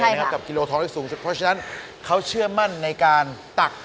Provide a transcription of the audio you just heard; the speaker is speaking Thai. ตีไม่พลาดเลยตีไม่พลาดเลยตีไม่พลาดเลย